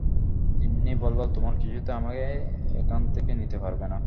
তিন্নি বলল, তোমরা কিছুতেই আমাকে এখান থেকে নিতে পারবে না।